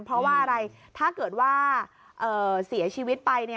เพราะว่าอะไรถ้าเกิดว่าเสียชีวิตไป